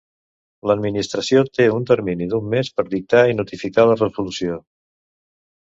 L'administració té un termini d'un mes per dictar i notificar la resolució.